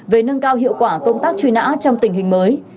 về nâng cao hiệu quả công tác truy nã trong tình hình mới